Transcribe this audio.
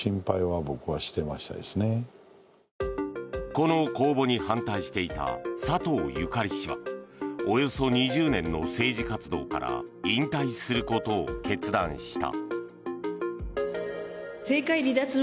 この公募に反対していた佐藤ゆかり氏はおよそ２０年の政治活動から引退することを決断した。